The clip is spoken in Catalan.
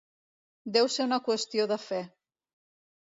Deu ser una qüestió de fe.